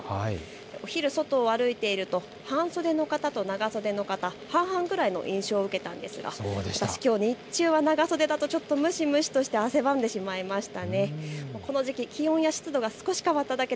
お昼、外を歩いていると半袖の方と長袖の方、半々ぐらいの印象を受けたんですが私、きょう日中は長袖だと蒸し蒸しして汗ばんでしまいました。